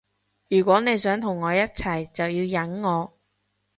如果你想同我一齊就要忍我